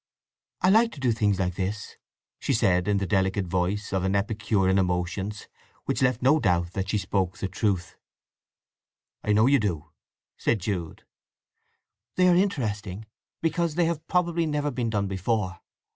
"I like to do things like this," she said in the delicate voice of an epicure in emotions, which left no doubt that she spoke the truth. "I know you do!" said Jude. "They are interesting, because they have probably never been done before.